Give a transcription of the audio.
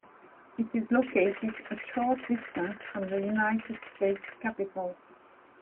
It is located a short distance from the United States Capitol.